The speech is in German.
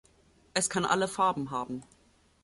Es kann alle Farben haben.